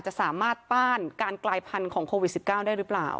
จะสามารถต้านการกลายพันธุ์ของโควิด๑๙ได้หรือเปล่า